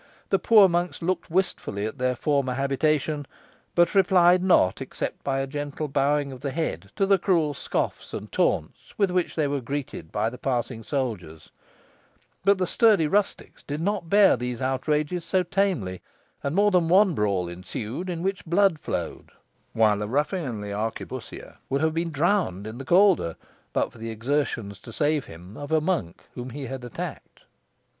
The poor monks looked wistfully at their former habitation, but replied not except by a gentle bowing of the head to the cruel scoffs and taunts with which they were greeted by the passing soldiers; but the sturdy rustics did not bear these outrages so tamely, and more than one brawl ensued, in which blood flowed, while a ruffianly arquebussier would have been drowned in the Calder but for the exertions to save him of a monk whom he had attacked.